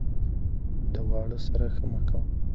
ـ د واړه سره ښه مه کوه ،